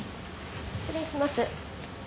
失礼します。